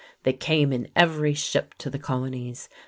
They came in every ship to the colonies.